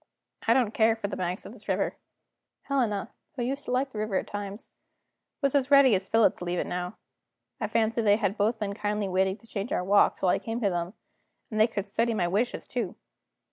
"I don't care for the banks of this river." Helena, who used to like the river at other times, was as ready as Philip to leave it now. I fancy they had both been kindly waiting to change our walk, till I came to them, and they could study my wishes too.